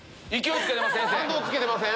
反動つけてません？